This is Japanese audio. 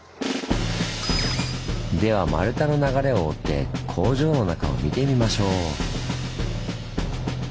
では丸太の流れを追って工場の中を見てみましょう！